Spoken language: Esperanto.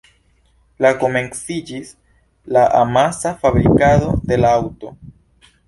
La komenciĝis la amasa fabrikado de la aŭto.